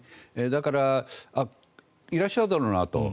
だからいらっしゃるだろうなと。